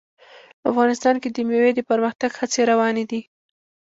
افغانستان کې د مېوې د پرمختګ هڅې روانې دي.